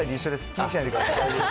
気にしないでください。